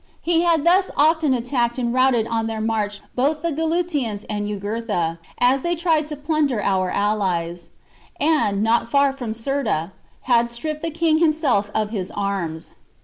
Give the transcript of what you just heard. He had thus often attacked and routed THE JUGURTHINE WAR. 2I9 on their march both the Gaetulians and Jugurtha, as L^g^^^fn. they tried to plunder our allies ; and, not far from Cirta, had stripped the king himself of his arms.